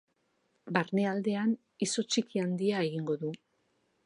Barnealdean izotz txiki-handia egingo du.